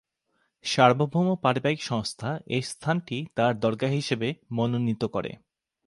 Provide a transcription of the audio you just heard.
সার্বভৌম পারিবারিক সংস্থা এ স্থানটি তার দরগা হিসেবে মনোনীত করে।